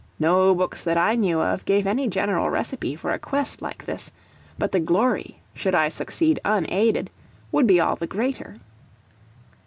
No books that I knew of gave any general recipe for a quest like this; but the glory, should I succeed unaided, would be all the greater.